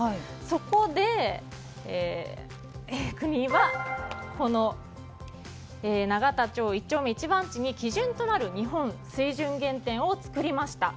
そこで国はこの永田町１丁目１番地に基準となる日本水準原点を作りました。